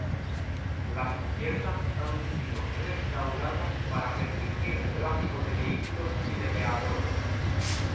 Las cubiertas han sido restauradas para permitir el tráfico de vehículos y peatones.